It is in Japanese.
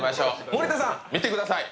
森田さん、見てください